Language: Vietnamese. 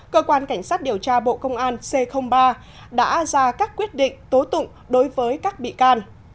cơ quan cảnh sát điều tra bộ công an c ba đã ra các quyết định tố tụng đối với các bị can